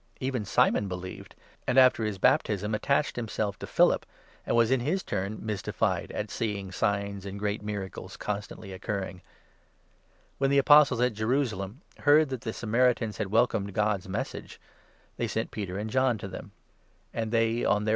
Even Simon believed, and after his baptism attached himself to Philip, and was in his turn mystified at seeing signs and great miracles constantly occurring. When the Apostles at Jerusalem heard that the antfjohn Samaritans had welcomed God's Message, they at sent Peter and John to them ; and they, on their Samaria.